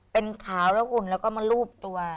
เป็นขาวแล้วหุ่นแล้วก็มารูปตัว